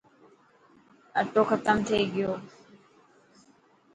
اثو ختم ٿي گيو.